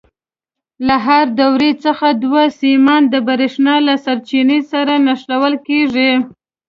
له هرې دورې څخه دوه سیمان د برېښنا له سرچینې سره نښلول کېږي.